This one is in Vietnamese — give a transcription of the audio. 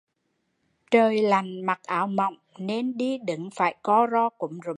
Trời lạnh mặc áo mỏng nên đi đứng phải co ro cúm rúm